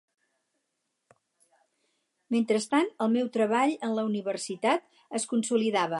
Mentrestant, el meu treball en la Universitat es consolidava.